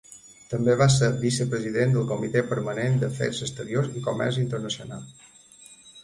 També va ser vicepresident del Comitè Permanent d'Afers Exteriors i Comerç Internacional.